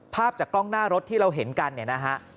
ภาพจากกล้องหน้ารถที่เราเห็นกัน